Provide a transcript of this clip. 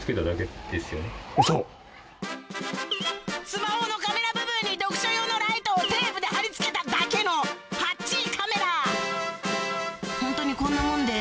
スマホのカメラ部分に読書用のライトをテープで張り付けただけのハッチーカメラホントにこんなもんで？